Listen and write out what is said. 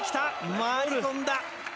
回り込んだ。